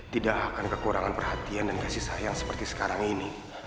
tidak akan kekurangan perhatian dan kasih sayang seperti sekarang ini